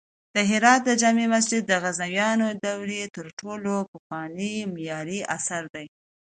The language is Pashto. د هرات د جمعې مسجد د غزنوي دورې تر ټولو پخوانی معماری اثر دی